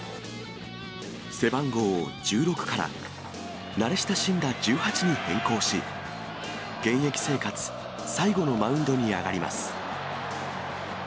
背番号を１６から、慣れ親しんだ１８に変更し、現役生活最後のマウンドに上がります。